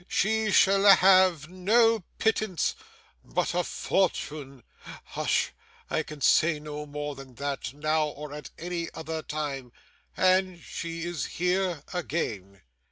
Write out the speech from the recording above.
She shall have no pittance, but a fortune Hush! I can say no more than that, now or at any other time, and she is here again!